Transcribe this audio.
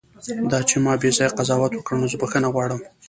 دا چې ما بیځایه قضاوت وکړ، نو زه بښنه غواړم.